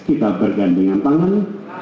kita bergandengan tangan